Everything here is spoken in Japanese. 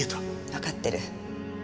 わかってる。